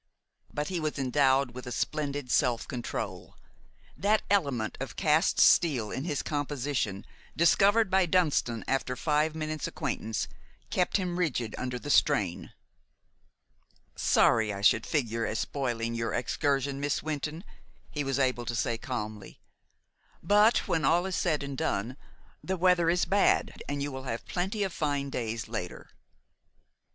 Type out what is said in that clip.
But he was endowed with a splendid self control. That element of cast steel in his composition, discovered by Dunston after five minutes' acquaintance, kept him rigid under the strain. "Sorry I should figure as spoiling your excursion, Miss Wynton," he was able to say calmly; "but, when all is said and done, the weather is bad, and you will have plenty of fine days later."